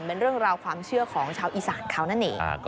เป็นเรื่องราวความเชื่อของชาวอีสานเขานั่นเอง